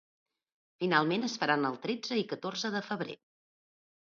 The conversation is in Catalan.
Finalment es faran el tretze i catorze de febrer.